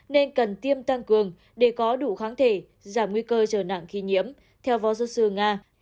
nên cần tiêm tăng cường để có đủ kháng thể giảm nguy cơ trở nặng khi nhiễm theo phó giáo sư nga